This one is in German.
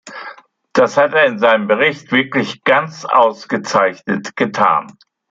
Das hat er in seinem Bericht wirklich ganz ausgezeichnet getan.